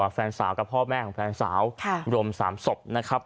แฟนสาวกับพ่อแม่ของแฟนสาวรวม๓ศพนะครับ